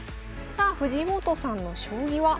さあ藤本さんの将棋は？